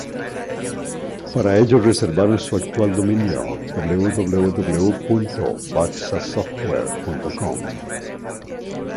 Para ello reservaron su actual dominio www.vaxasoftware.com.